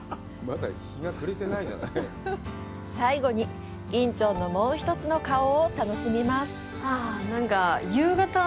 最後に、仁川のもう１つの顔を楽しみます！